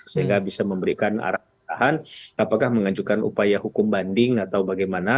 sehingga bisa memberikan arahan apakah mengajukan upaya hukum banding atau bagaimana